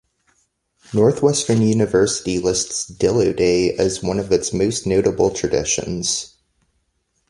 Northwestern University lists Dillo Day as one of its most notable traditions.